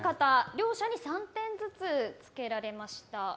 両者に３点ずつつけられました。